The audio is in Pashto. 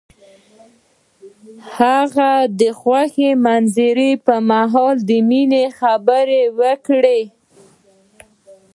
هغه د خوښ منظر پر مهال د مینې خبرې وکړې.